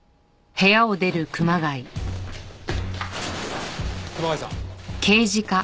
熊谷さん？